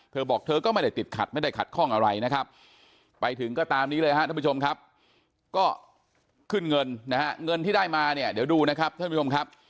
เธอบอกเธอก็ไม่ได้ติดขัดไม่ได้ขัดข้องอะไรนะครับไปถึงก็ตามนี้เลยฮะท่านผู้ชมครับก็ขึ้นเงินนะฮะเงินที่ได้มาเนี่ยเดี๋ยวดูนะครับท่านผู้ชมครับ